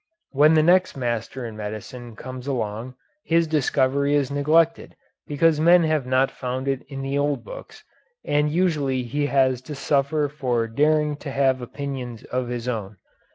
When the next master in medicine comes along his discovery is neglected because men have not found it in the old books, and usually he has to suffer for daring to have opinions of his own.